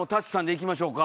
いきましょうか。